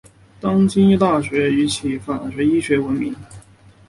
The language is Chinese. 当今锡耶纳大学以其法学院和医学院闻名。